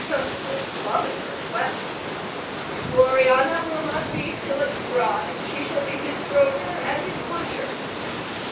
A most loving request! If Gloriana will not be Philip's bride, she shall be his broker and his butcher!